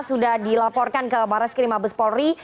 sudah dilaporkan ke barat skrim abes polri